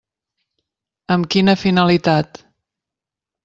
Amb quina finalitat?